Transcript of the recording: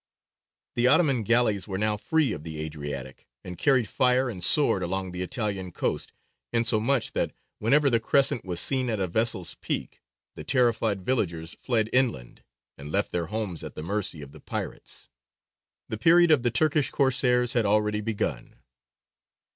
The Ottoman galleys were now free of the Adriatic, and carried fire and sword along the Italian coast, insomuch that whenever the crescent was seen at a vessel's peak the terrified villagers fled inland, and left their homes at the mercy of the pirates. The period of the Turkish Corsairs had already begun.